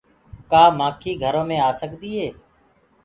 ڪآ مآکي گھرو مي آ سڪدي هي۔